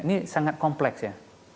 ini sangat kompleks ya